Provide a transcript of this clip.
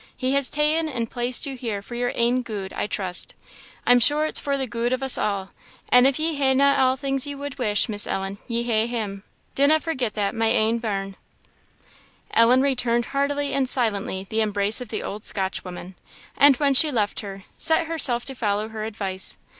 He has ta'en and placed you here for your ain gude, I trust I'm sure it's for the gude of us a' and if ye haena a' things ye wad wish, Miss Ellen, ye hae Him! dinna forget that, my ain bairn." Ellen returned heartily and silently the embrace of the old Scotch woman, and when she left her, set herself to follow her advice.